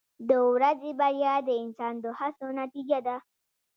• د ورځې بریا د انسان د هڅو نتیجه ده.